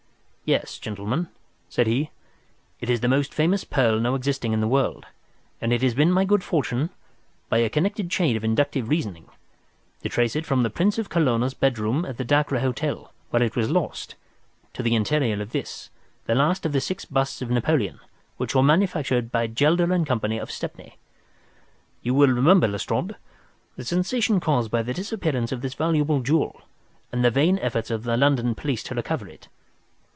"Yes, gentlemen," said he, "it is the most famous pearl now existing in the world, and it has been my good fortune, by a connected chain of inductive reasoning, to trace it from the Prince of Colonna's bedroom at the Dacre Hotel, where it was lost, to the interior of this, the last of the six busts of Napoleon which were manufactured by Gelder & Co., of Stepney. You will remember, Lestrade, the sensation caused by the disappearance of this valuable jewel and the vain efforts of the London police to recover it.